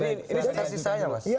ini stasi saya mas